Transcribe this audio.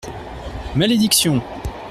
Malédiction !